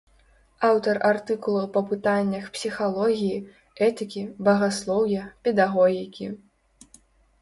Аўтар артыкулаў па пытаннях псіхалогіі, этыкі, багаслоўя, педагогікі.